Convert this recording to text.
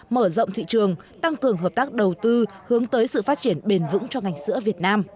mở rộng thị trường tăng cường hợp tác đầu tư hướng tới sự phát triển bền vững cho ngành sữa việt nam